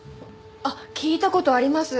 あっ聞いた事あります。